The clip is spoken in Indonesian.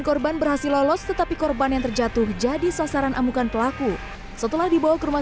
korban berhasil lolos tetapi korban yang terjatuh jadi sasaran amukan pelaku setelah dibawa ke rumah